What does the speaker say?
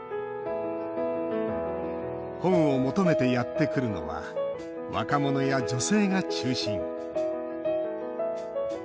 本を求めてやってくるのは若者や女性が中心。